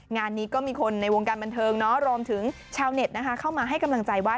งานนี้ก็มีคนในวงการบันเทิงรวมถึงชาวเน็ตนะคะเข้ามาให้กำลังใจว่า